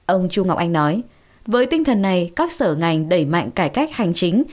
ông chu ngọc anh nói với tinh thần này các sở ngành đẩy mạnh cải cách hành chính